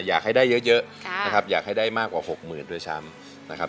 อยากให้ได้เยอะนะครับอยากให้ได้มากกว่า๖๐๐๐ด้วยซ้ำนะครับ